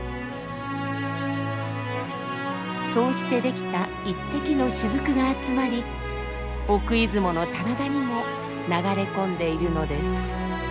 そうしてできた１滴のしずくが集まり奥出雲の棚田にも流れ込んでいるのです。